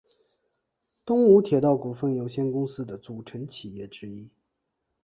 东武铁道股份有限公司的组成企业之一。